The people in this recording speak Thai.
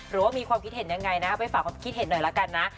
หรือว่ามีความคิดเห็นยังไงนะไปฝากความคิดเห็นหน่อยละกันนะ